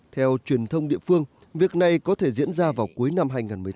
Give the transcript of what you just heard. theo truyền thông địa phương việc này có thể diễn ra vào cuối năm hai nghìn một mươi chín